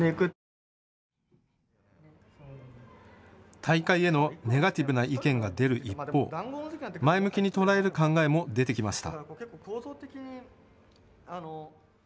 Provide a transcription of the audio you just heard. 大会へのネガティブな意見が出る一方、前向きに捉える考えも出てきました。